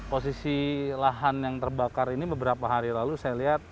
posisi lahan yang terbakar ini beberapa hari lalu saya lihat